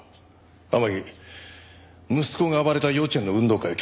天樹息子が暴れた幼稚園の運動会去年のいつだ？